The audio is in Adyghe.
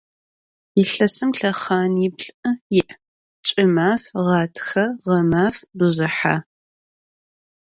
Yilhesım lhexhaniplh' yi': ç'ımaf, ğatxe, ğemaf, bjjıhe.